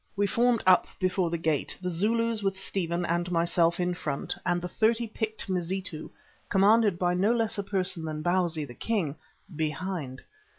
We formed up before the gate, the Zulus with Stephen and myself in front and the thirty picked Mazitu, commanded by no less a person than Bausi, the king, behind.